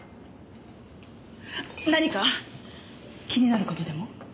何か気になる事でも？